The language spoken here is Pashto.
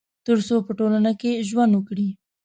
تر څو په ټولنه کي ژوند وکړي